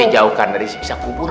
dijauhkan dari sisa kubur